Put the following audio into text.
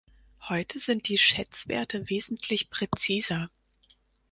Heute sind die Schätzwerte wesentlich präziser.